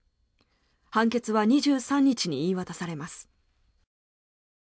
判決は２３日に言い渡されます。